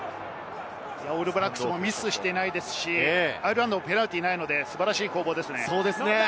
オールブラックスもミスしていないですし、アイルランドもペナルティーがないので素晴らしい攻防ですね。